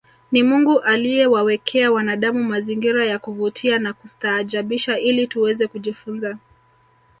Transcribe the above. Ni Mungu aliyewawekea wanadamu mazingira ya kuvutia na kustaajabisha ili tuweze kujifunza